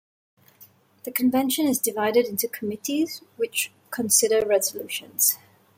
The convention is divided into committees which consider resolutions.